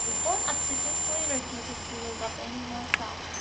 The phone obstinately refuses to yield up any more sound.